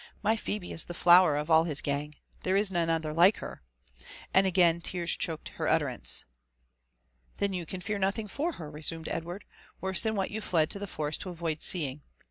My Phebe is the flower of all his gang — there is none other like her !" And again tears choked her utterance. '•Then you can fear nothing for her," resumed Edward, '* worse than what you fled to the forest to avoid seeing.